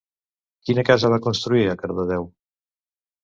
Quina casa va construir a Cardedeu?